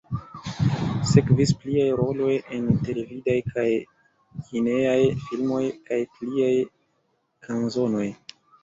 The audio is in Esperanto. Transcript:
Sekvis pliaj roloj en televidaj kaj kinejaj filmoj, kaj pliaj kanzonoj.